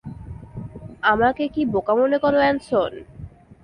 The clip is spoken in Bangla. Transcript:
আমাকে কি বোকা মনে করো, অ্যানসন?